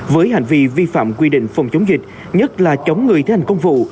với hành vi vi phạm quy định phòng chống dịch nhất là chống người thi hành công vụ